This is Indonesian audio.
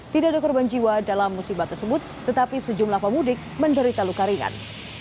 tidak ada korban jiwa dalam musibah tersebut tetapi sejumlah pemudik menderita luka ringan